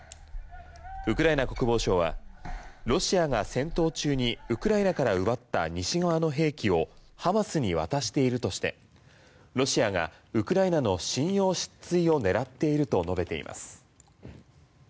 ウクライナ国防省はロシアが戦闘中にウクライナから奪った西側の兵器をハマスに渡しているとしてロシアがウクライナの信用失墜を狙っていると述べています。